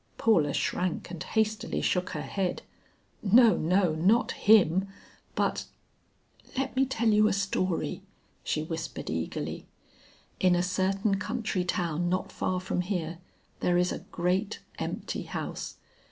Paula shrank and hastily shook her head. "No, no, not him, but Let me tell you a story," she whispered eagerly. "In a certain country town not far from here, there is a great empty house.